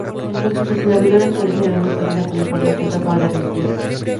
Entonces, el servidor actualiza la misma página con la información que acaba de recibir.